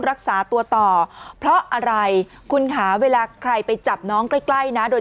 รักษาตัวต่อเพราะอะไรคุณค่ะเวลาใครไปจับน้องใกล้ใกล้นะโดย